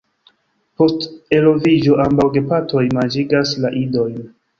Post eloviĝo ambaŭ gepatroj manĝigas la idojn.